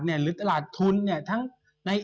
หรือตลาดทุนทั้งใน